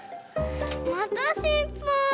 またしっぱい。